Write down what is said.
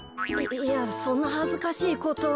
いやそんなはずかしいことは。